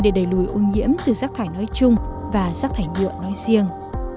để đẩy lùi ô nhiễm từ rác thải nói chung và rác thải nhựa nói riêng